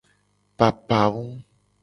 Papawum.